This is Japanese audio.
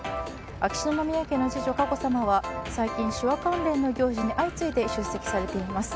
秋篠宮家の次女・佳子さまは最近、手話関連の行事に相次いで出席されています。